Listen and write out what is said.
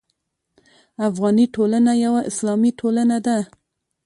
افغاني ټولنه یوه اسلامي ټولنه ده.